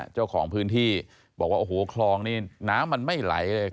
เจ้าของพื้นที่บอกว่าโอ้โหคลองนี่น้ำมันไม่ไหลเลย